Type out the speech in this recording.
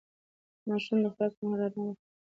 د ماشوم د خوراک پر مهال ارام وخت غوره کړئ.